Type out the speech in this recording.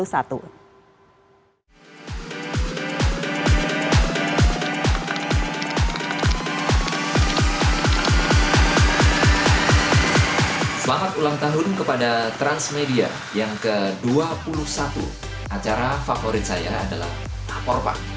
selamat ulang tahun kepada transmedia yang ke dua puluh satu acara favorit saya adalah apor pak